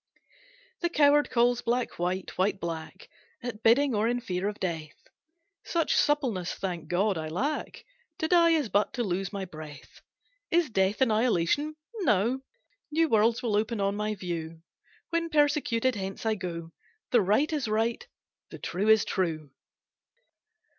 "The coward calls black white, white black, At bidding, or in fear of death; Such suppleness, thank God, I lack, To die is but to lose my breath. Is death annihilation? No. New worlds will open on my view, When persecuted hence I go, The right is right, the true is true."